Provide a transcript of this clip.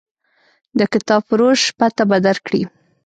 د کتابفروش پته به درکړي.